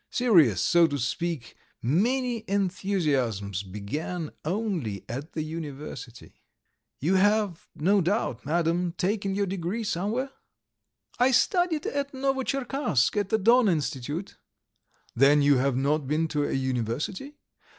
Serious, so to speak, manly enthusiasms began only at the university. You have, no doubt, Madam, taken your degree somewhere?" "I studied at Novotcherkask at the Don Institute." "Then you have not been to a university?